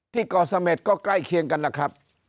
ก่อเสม็ดก็ใกล้เคียงกันล่ะครับ